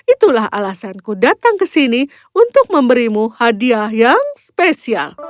itulah alasanku datang ke sini untuk memberimu hadiah yang spesial